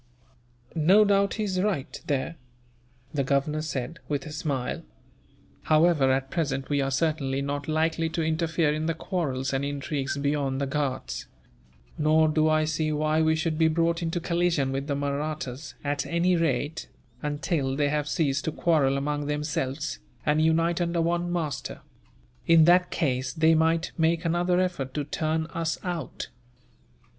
"No doubt he is right, there," the Governor said, with a smile. "However, at present we are certainly not likely to interfere in the quarrels and intrigues beyond the Ghauts; nor do I see why we should be brought into collision with the Mahrattas at any rate, until they have ceased to quarrel among themselves, and unite under one master. In that case, they might make another effort to turn us out.